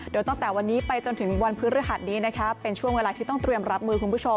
โดยตั้งแต่วันนี้ไปจนถึงวันพฤหัสนี้นะคะเป็นช่วงเวลาที่ต้องเตรียมรับมือคุณผู้ชม